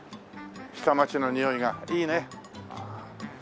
下町のにおいがいいね。